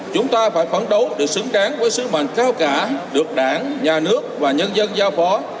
chúng ta phải phấn đấu được xứng đáng với sứ mệnh cao cả được đảng nhà nước và nhân dân giao phó